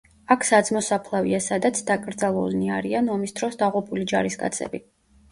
აქ საძმო საფლავია, სადაც დაკრძალულნი არიან ომის დროს დაღუპული ჯარისკაცები.